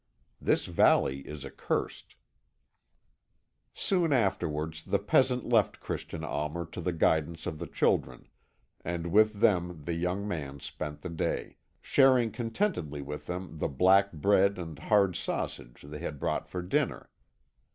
This valley is accursed." Soon afterwards the peasant left Christian Almer to the guidance of the children, and with them the young man spent the day, sharing contentedly with them the black bread and hard sausage they had brought for dinner.